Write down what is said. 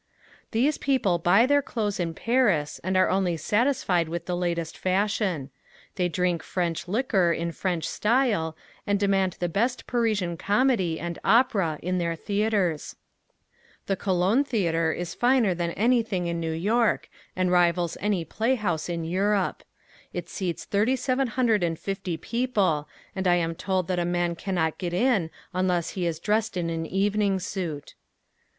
These people buy their clothes in Paris and are only satisfied with the latest fashion. They drink French liquor in French style and demand the best Parisian comedy and opera in their theaters. The Colon theater is finer than anything in New York, and rivals any playhouse in Europe. It seats thirty seven hundred and fifty people and I am told that a man cannot get in unless he is dressed in an evening suit.